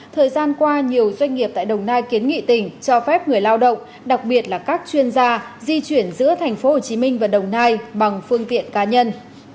thời gian qua nhiều doanh nghiệp tại đồng nai kiến nghị tỉnh cho phép người lao động đặc biệt là các chuyên gia di chuyển giữa thành phố hồ chí minh và đồng nai bằng phương tiện cá nhân